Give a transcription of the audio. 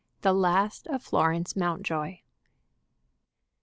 THE LAST OF FLORENCE MOUNTJOY.